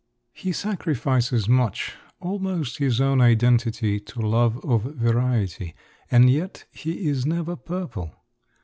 He sacrifices much, almost his own identity, to love of variety; and yet he is never purple.